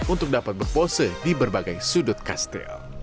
untuk dapat berpose di berbagai sudut kastil